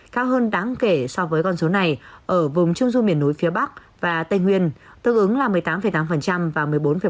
cao hơn đáng kể so với con số này ở vùng trung du miền núi phía bắc và tây nguyên tương ứng là một mươi tám tám và một mươi bốn bảy